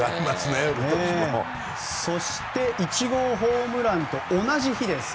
そして１号ホームランと同じ日です。